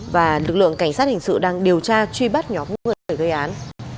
và lực lượng cảnh sát hình sự đang điều tra truy bắt nhóm người gây án